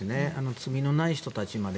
罪のない人たちまで。